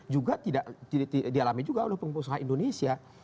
juga tidak dialami juga oleh pengusaha indonesia